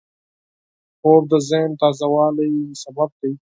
خوب د ذهن تازه والي سبب دی